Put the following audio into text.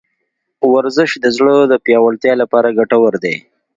ورزش د زړه د پیاوړتیا لپاره ګټور دی.